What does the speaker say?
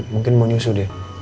mungkin mau nyusu dia